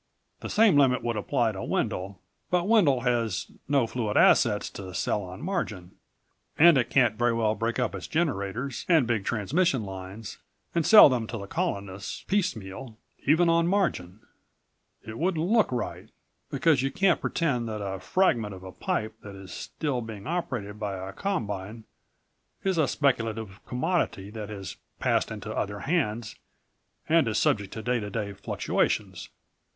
The same limit would apply to Wendel, but Wendel has no fluid assets to sell on margin, and it can't very well break up its generators and big transmission lines and sell them to the Colonists piecemeal, even on margin. It wouldn't look right, because you can't pretend that a fragment of a pipe that is still being operated by a combine is a speculative commodity that has passed into other hands and is subject to day to day fluctuations.